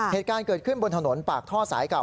เหตุการณ์เกิดขึ้นบนถนนปากท่อสายเก่า